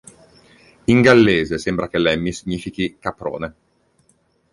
In gallese sembra che Lemmy significhi "caprone".